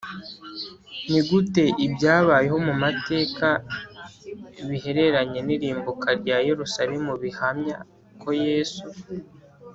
Ni gute ibyabayeho mu mateka bihereranye n irimbuka rya Yerusalemu bihamya ko Yesu